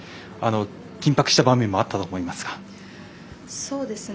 緊迫した場面もあったかと思いますが。